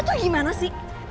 lo tuh gimana sih